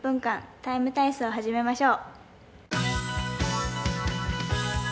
「ＴＩＭＥ，体操」を始めましょう。